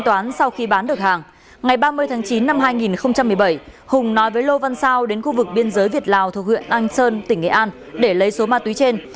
ngày ba mươi tháng chín năm hai nghìn một mươi bảy hùng nói với lô văn sao đến khu vực biên giới việt lào thuộc huyện anh sơn tỉnh nghệ an để lấy số ma túy trên